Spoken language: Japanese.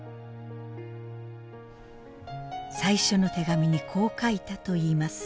最初の手紙にこう書いたといいます。